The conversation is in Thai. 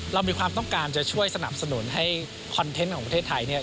เรามีความต้องการจะช่วยสนับสนุนให้คอนเทนต์ของประเทศไทยเนี่ย